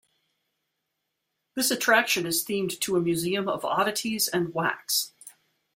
This attraction is themed to a museum of oddities and wax.